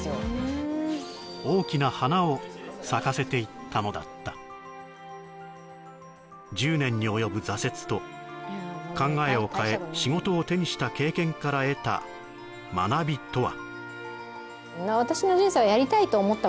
大きな花を咲かせていったのだった１０年に及ぶ挫折と考えを変え仕事を手にした経験から得た学びとは？